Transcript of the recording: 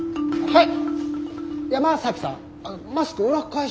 はい。